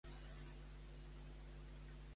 Viatgen junts en Martin i Flash McQueen?